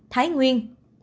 bảy thái nguyên